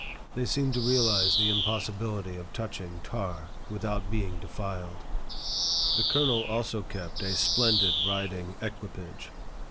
They seemed to realize the impossibility of touching tar without being defiled. The colonel also kept a splendid riding equipage.